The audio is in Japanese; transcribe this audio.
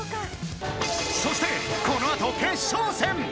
［そしてこの後決勝戦］